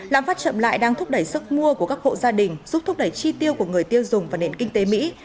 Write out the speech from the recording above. lạm phát chậm lại đang thúc đẩy sức mua của các hộ gia đình giúp thúc đẩy chi tiêu của người tiêu dùng và nền kinh tế mỹ